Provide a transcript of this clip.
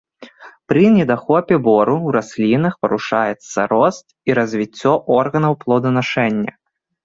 Пры недахопе бору ў раслінах парушаюцца рост і развіццё органаў плоданашэння.